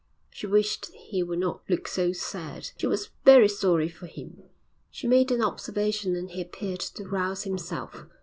She wished he would not look so sad; she was very sorry for him. She made an observation and he appeared to rouse himself.